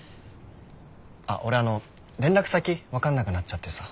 あっ俺連絡先分かんなくなっちゃってさ。